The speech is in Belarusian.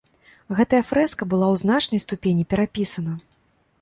Гэтая фрэска была ў значнай ступені перапісана.